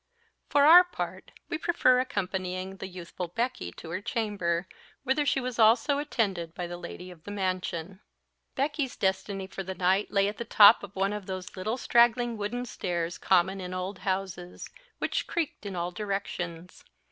For our part, we prefer accompanying the youthful Becky to her chamber, whither she was also attended by the lady of the mansion. Becky's destiny for the night lay at the top of one of those little straggling wooden stairs common in old houses, which creaked in all directions.